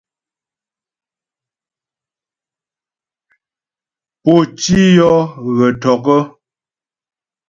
Pǒ tî yɔ́ hə̀ tɔ́' ?